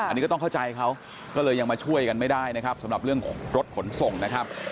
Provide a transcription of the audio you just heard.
อันนี้ก็ต้องเข้าใจเขาก็เลยยังมาช่วยกันไม่ได้นะครับสำหรับเรื่องรถขนส่งนะครับ